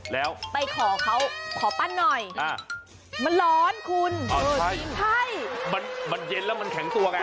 แล้วไปขอเขาขอปั้นหน่อยมันร้อนคุณใช่มันเย็นแล้วมันแข็งตัวไง